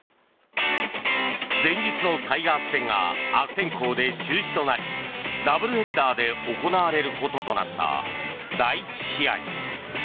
前日のタイガース戦が悪天候で中止となりダブルヘッダーで行われることとなった第１試合。